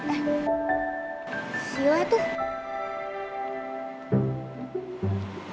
eh sihla tuh